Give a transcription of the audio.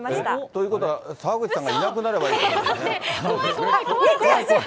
ということは、澤口さんがいなくなればいいということですね。